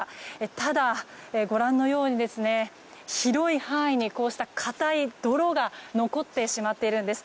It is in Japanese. ただ、ご覧のように広い範囲にこうした固い泥が残ってしまっているんです。